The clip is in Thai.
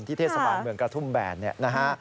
ที่เทศบาลเมืองกระทุ่มแบรนด์